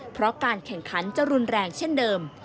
เพราะการแข่งขันจะรุนแรงเช่นเดิม